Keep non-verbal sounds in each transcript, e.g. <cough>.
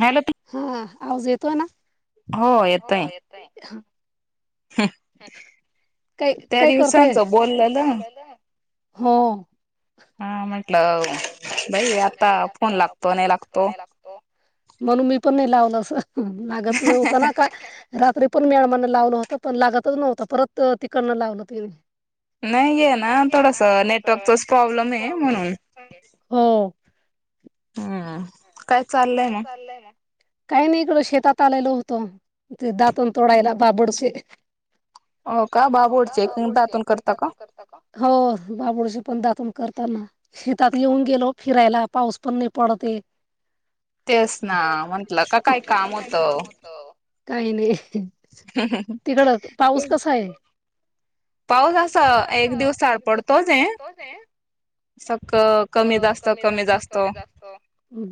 Hello हा आवाज येतोय ना हो येतय कय त्या काय करताय दिवसांचं बोललेलं हो हा म्हटलं बाई आता फोन लागतो नाही लागतो म्हणून मी पण नाही लावल अस लागत नव्हत ना काय रात्री पण मी अमन ला लावलं होत पण लागतच नव्हतं परत अ तिकडन लावलं तेनी नाहीये ना थोडस नेटवर्कचाच प्रॉब्लेम आहे म्हणून हो हम काय चाललंय काही नाही थोड शेतात आलेल होतो ते दातून तोडायला बाबडसे हो का बाबोडचे एक दातून करता का हो बाबोडशी पण दातून करतो ना शेतात येऊन गेलो फिरायला पाऊस पण नयी पडतंय तेच ना म्हंटलं क काय काम होतं काय नाही तिकड पाऊस कसा हाय पाऊस अस एक दिवसआड पडतोचये सक मग कमी जास्त कमी जास्त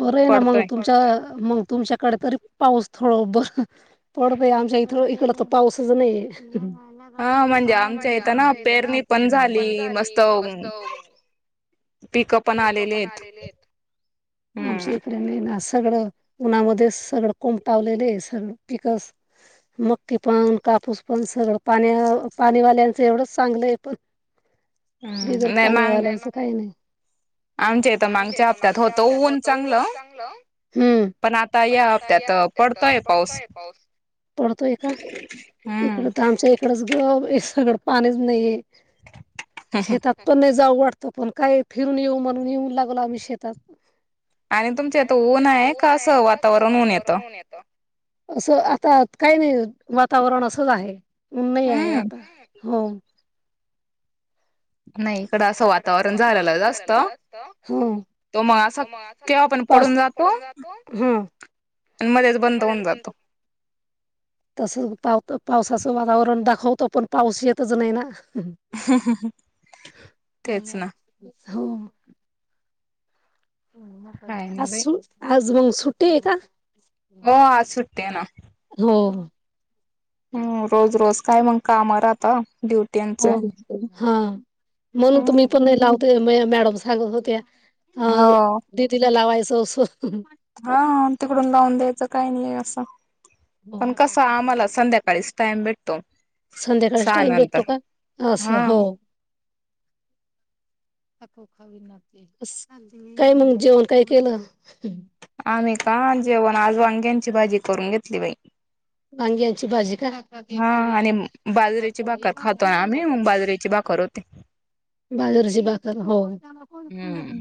बरंय ना मंग पडतोय तुमच्या अ मंग तुमच्या कर करीत थोडं पाऊस थोड ब पडतोय आमच्या इथ इकड तर पाऊसच नाही हा म्हणजे आमच्या ईथ ना पेरणी पण झाली मस्त पिकं पिक आलेली पण आहेत आलेले आहेत हम्म आमच्या इत ना सगळं उन्हामध्ये सगळं कोंब टावलेले आहे सगळं पिकस मक्के पण कापूस पण सगळं पाण्या पाणीवाल्यांचं एवढंच चांगलं आहे पण हा बिगर नाही मग <unintelligible> आमच्या इथं मागच्या हप्त्यात होतं ऊन चांगलं पण आता या पडतोय का इकड हम्म तर आमच्या इकडच हे सगळं पाणीच नाहीये शेतात पण नाही जाऊ वाटत पण काय फिरून येऊ म्हणून येऊन लागलो आम्ही शेतात आणि तुमच्या इथं ऊन आहे का असं वातावरण होऊन येतं असं आता काही नाही वातावरण असंच आहे ऊन नाहीये आहे हम्म आता हो नाही इकडं असं वातावरण झालेलंचं जास्त तो मग अस पाऊस पण पडून जातो हा आणि मध्येच बंद होऊन जातो तसं पाव पावसाचं वातावरण दाखवतो पण पाऊस येतच नाही ना हं हं ह नाही नाही हो काय नाही बाई आज आज मंग सुट्टी ये का हो आज सुट्टी ये ना हो हम रोज रोज काय मग का कामावर आता ड्युटी हो हा म्हणून तर हम्म मी पण नाही लावते मॅडम सांगत होत्या हो दीदीला लावायचं हा तिकडून लावून द्यायचं काही नाही असं पण कस आहे आम्हाला संध्याकाळीच टाइम भेटतो संध्याकाळीच सहा टाइम नंतर भेटतो का असं हा हो <inaudible> काय मंग जेवण काय केलं आम्ही का जेवण आज वांग्यांची भाजी करून घेतली बाई वांग्यांची भाजी का हा आणि बाजरीेची भाकर खातोय आम्ही बाजरीेची भाकर ते बाजाऱीची भाकर हो हम्म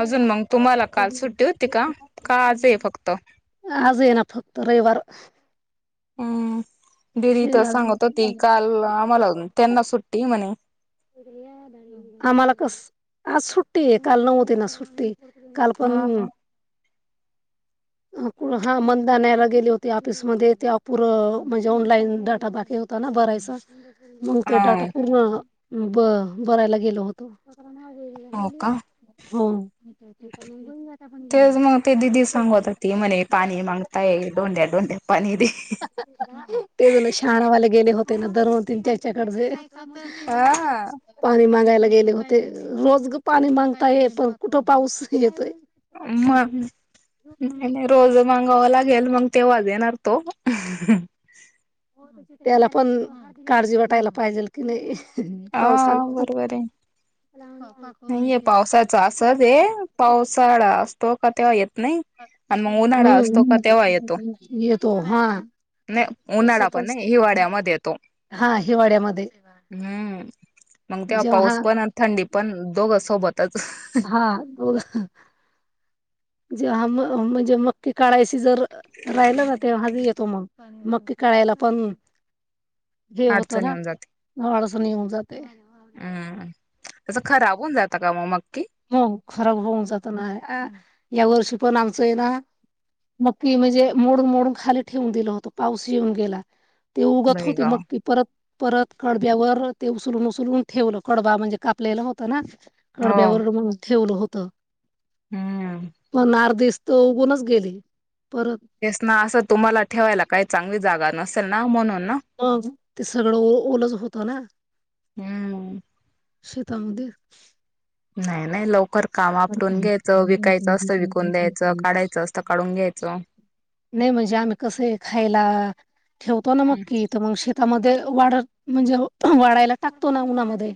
अजून मग तुम्हाला काल सुट्टी होती का का आज आहे फक्त आज ये ना फक्त रविवार हम्म दिदी तेच सांगत होती काल आम्हाला त्यांना सुट्टी आहे म्हणे आम्हाला कस आज सुट्टी आहे काल नव्हतीना सुट्टी काल पण हा <unintelligible> हा मनदानयला गेले होती ऑफिसमध्ये ते अपूर म्हणजे ऑनलाईन डाटा बाकी होता होता ना भरायचा मग ते हा डाटा पूर्ण ब भरायला गेलो होतो हो का हो <inaudible> तेचं मग ते दिदी सांगत होती म्हणे पाणी मांगतंय डोंड्या डोंड्या पाणी दे तेज शणावाले गेले होते ना दरन तीन चारच्याकडचे हा त पाणी मागायला गेले होते रोज पाणी मागता ये पण कुठं पाऊस येतोय म नाही नाही रोज मांगावं लागेल मग तेव्हा देणार तो त्याला पण काळजी वाटायला पाहिजेल की नाही हा पावसाला ह <inaudible> नाहीय पावसाच असच आहे पावसाळा असतो का तेव्हा येत नाही आणि मग उन्हाळा असतो का येतो हा न उन्हाळा पण तसच नाही हिवाळ्या मध्ये येतो हा हिवाळ्यामध्ये हम्म मग तेव्हा जेव्हा पाऊस पण थंडी पण दोघं सोबतच हां ज ज म्हणजे ते काळायशी जर राहिलं ना ते हजी येतो मग मकी काडायला पण हे होत अडचण ना. येऊन जाते आळस निघुन जातय. हम्म त्याच खराब होऊन जातं का मग हो खराब होऊन जात ना अ या वर्षी पण आमचं आहे ना मक्की म्हणजे मोडून मोडून खाली ठेवून दिलं होतं पाऊस येऊन गेला. ते उगत होते बहीगाव मग ते परत परत कडब्यावर ते उचलून उचलून ठेवलं, कडबा म्हणजे कापलेला होत ना. हो त्यावरन मग ठेवलं होत हम्म पण आर त उगुनच गेले परत तेच ना असं तुम्हांला ठेवायला काही चांगली जागा नसेल ना म्हणून मग ते सगळं ओ-ओलच होतं होत ना. हम्म शेतामध्ये. नाही नाही लवकर काम आपटून घ्यायचं, विकायचं असतं विकून द्यायचं, काढायचं असतं काढून घ्यायचं. नाही म्हणजे आम्ही कस आहे खायला ठेवतो ना मग कि मग शेतामध्ये वाळत म्हणजे वाळायला टाकतो ना उन्हामध्ये.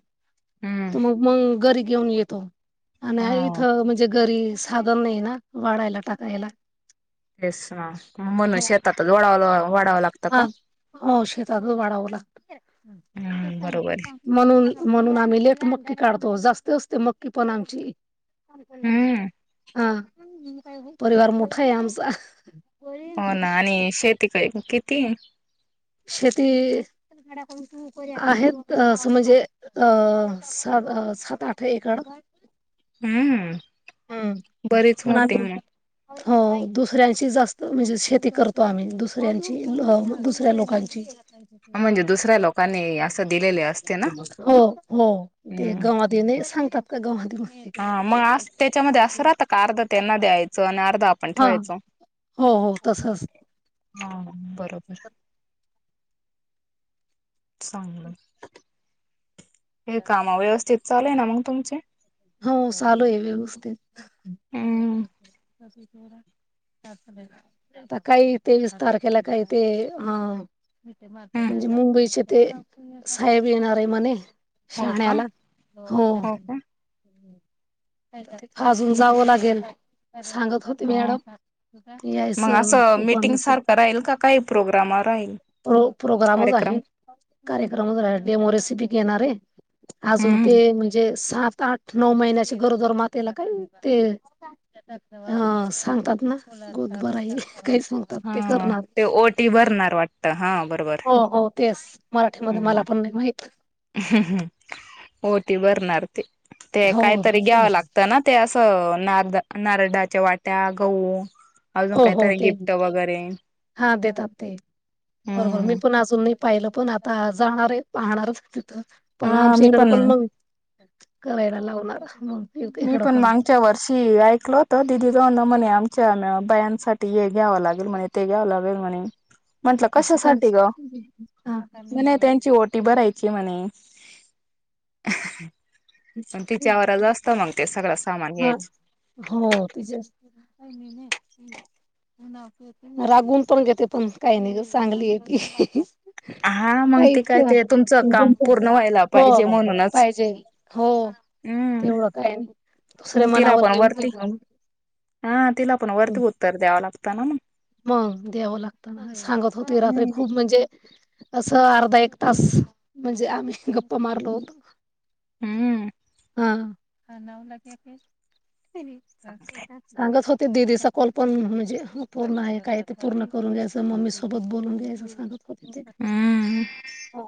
हम्म त मग मंग घरी घेऊन येत आणि हो इथं म्हणजे घरी साधन नाही ना वाळायला टाकायला. तेस ना म्हणून हो शेतात लोळाव लोळाव वाडावं लागतं हा का? हो शेतातल वाडाव लागत. हम्म बरोबर आहे म्हणून, म्हणून आम्ही लेट मक्की काढतो. जास्त असते मक्की पण आमची हम्म हां परिवार मोठा आहे आमचा. हो ना आणि शेती काय किती आहे? शेती आहेत असं म्हणजे अ सात सात, आठ एकर हम्म हम्म बरीच पण मोठे मग. <inaudible> हो दुसऱ्यांची जास्त म्हणजे शेती करतो आम्ही दुसऱ्यांची, दुसऱ्या लोकांची. मग म्हणजे दुसऱ्या लोकांनी असं दिलेले असते ना हो हो, ते हम्म गवात ये नई सांगतात. हा मग अस <unintelligible> त्याच्यामध्ये असं राहत का, अर्ध त्यांना द्यायचं आणि अर्ध हा ठेवायचं हो हो, तस अस हा बरोबर. चांगलं. हे कामा मग व्यवस्थित चालूय ना मग तुमचे? होव चालूय व्यवस्थित. हम्म आता काही तेवीस तारखेला काही ते ह. हम्म म्हणजे मुंबईचे ते, साहेब येणार आहे म्हणे. हो का शाहण्याला, हो. अजून जावं लागेल, सांगत होते ते हो मॅडम. यायच मग तू असं पण मीटिंग अस. सारखं राहील का काही प्रोग्राम राहील प्रो प्रोग्रामच कार्यक्रम आहे. कार्यक्रम वैगरे डेमो रेसिपी घेणारय, अजून हम्म ते म्हणजे सात आठ नऊ महिन्याच्या गरोदर मातेला काय ते ह सांगतात ना गोडभराई, काय सांग हा ते ओटी भरणार वाटत, हा बरोबर. हो हो तेच, मराठीमध्ये मला हम्म. पण नाही माहित. ओटी भरणार ते, ते हो, काहीतरी घ्यावं लागतं ना? ते असं नारद नारडाच्या वाट्या, गहू अजून हो हो काहीतरी ते गिफ्ट वगैरे हा देतात ते बरोबर हम्म. मी पण अजून नाही पाहिलं पण आता जाणार आहे पाहणारच तिथं पण हा आमच्या मी इकड पण मग. करायला लावणार. इक मी इकडं पण माय. आच्या वर्षी ऐकल होत दिदी दोन म्हणे आमच्या बायांसाठी हे घ्यावं लागेल म्हणे. ते घ्याव लागेल म्हणे म्हंटलं असं का कशासाठी ग? हां. म्हणे त्यांची ओट टी भरायची म्हणे. पण तिच्यावर आल असतं मग ते सगळं सामान हां, घ्यायचं. हो तेज <inaudible> रागवून पण घेते पण काही नाही ग चांगली आहे ती. हा मग ते काहीच काय का ते तुमचं काम पूर्ण व्हायला <inaudible> पाहिजे हो म्हणूनच पाहिजे. हो हम्म तेवढं काय नाही दुसर्या मग तिला मनावर पण येऊन वरती हा तिला पण वरती उत्तर द्यावं लागतं ना मग. द्याव लागत ना सांगत होते रात्री हम्म खूप म्हणजे असं अर्धा एक तास म्हणजे आम्ही गप्पा मारलो होतो. हम्म. ह हा नाव <inaudible> चांगलंय सांगत होते दिदीचा कॉल पण म्हणजे पूर्ण आहे काय ते पूर्ण करून घ्यायचं मम्मी सो सोबत बोलून घ्यायच सांगत होते ते हम्म हो.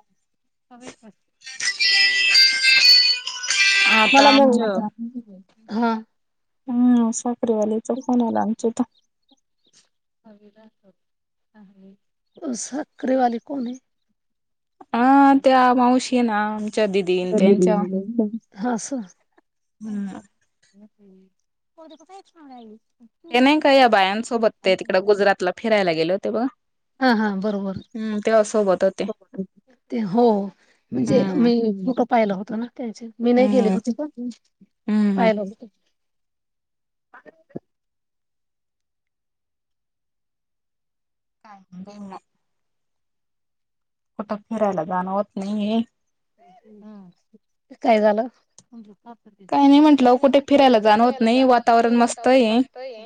आता मला म आमचं वाटत हा. हम् साखरवाल्याचा फोन आला आमच्या तर. साकरेवाले कोण आहे? <inaudible> हा त्या मावशी ना आमच्या दिदीन त्यांच्या हा आस. हम्म ते नाही ने काय या बायांसोबत तेल. इकडे गुजरातला फिरायला गेले होते बघ हा हा बरोबर हम्म तेव्हा सोबत होते. ते हो म्हणजे हम्म मी फोटो पाहिला होतो ना. मी नाही गेली हम्म होती का हम्म पाहिला हो <unintelligible> कुठं फिरायला जाणवत नाहीे काय झालं? का नाही म्हटलं कुठे फिरायला जाणं होत नाही वातावरण मस्त आहे.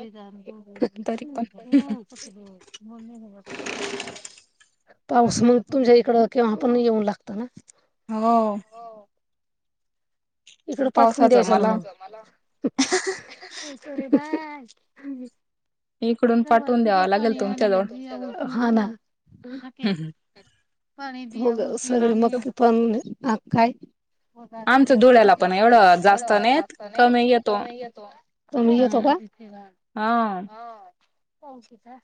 तरी पण <inaudible> <unintelligible> पाऊस मग तुमच्या इकडं केव्हा पण येऊन लागतो ना? हो. इकड पाठवून पावसाच द्यायचं ना मला मग? इकडून पाठवून द्यावा लागेल तुमच्या जवळ ह ना. पण सगळे आमचं मक्की पण काय आमचं धुळ्याला आमच्या पण जुलैला एवढं पण एवढ जास्त नाही जास्त कमी नाहीत येतो मी येतो त मी येतो हम्म का. हा. हो क का?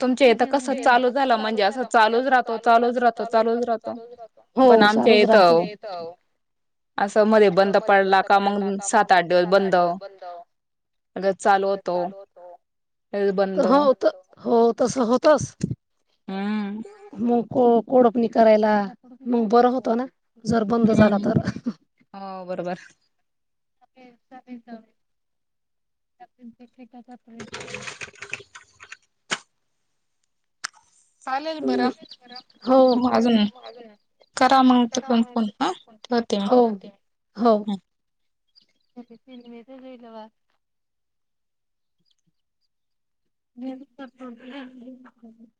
तुमच्या इथं कसं चालू झाला म्हणजे असं चालूच राहतो चालूच राहतो चालूच राहतो. हो पण आमच्या चालूच राहत. इथं असं मध्ये बंद पडला का मग सात आठ दिवस बंद. अगर चालू होतो नि बंद. हो त हो तस होतस हम्म मागं. को कोळपणी करायला मग बरं होतो ना जर बंद झाला हम्म तर. हो बरोबर. <inaudible> <inaudible> चालेल बरं <unintelligible> हो अजून करा मग तिकडून फोन हा ठेवते मी. <unintelligible> हो हो <unintelligible> <unintelligible>